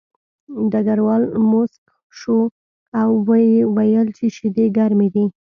ډګروال موسک شو او ویې ویل چې شیدې ګرمې دي